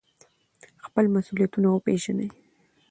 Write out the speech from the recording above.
خپل مسؤلیتونه وپیژنئ.